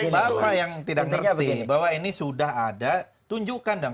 siapa yang tidak mengerti bahwa ini sudah ada tunjukkan dong